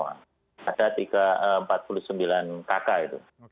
ada empat puluh sembilan kakak itu